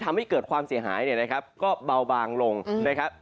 ทำให้เกิดความเสียหายเนี่ยนะครับก็เบาบางลงนะครับ